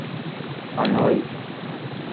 هانوی